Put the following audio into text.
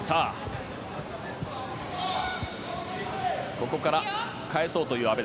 ここから返そうという阿部。